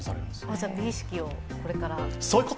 じゃあ、美意識をこれから？